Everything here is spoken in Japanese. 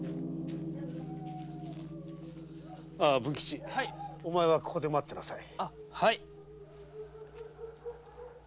文吉お前はここで待ってなさい。